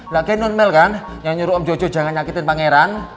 lagi non mell kan yang nyuruh om jojo jangan nyakitin pangeran